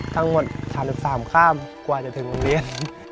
ทั้งหมด๓๓ข้ามกว่าจะถึงโรงเรียน